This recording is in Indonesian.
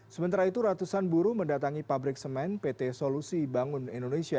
sementara itu ratusan buruh mendatangi pabrik semen pt solusi bangun indonesia